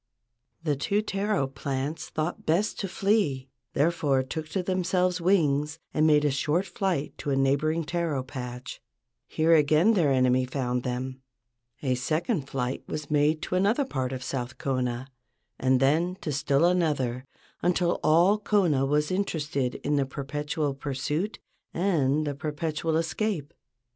The two taro plants thought best to flee, therefore took to themselves wings and made a short flight to a neighboring taro patch. Here again their enemy found them. A second flight was made to another part of South Kona, and then to still another, until all Kona was inter¬ ested in the perpetual pursuit and the perpetual escape.